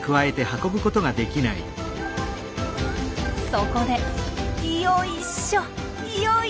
そこで「よいしょよいしょ」。